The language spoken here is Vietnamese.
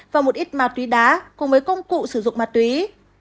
và một ít ma túy đá cùng với công cụ sử dụng ma túy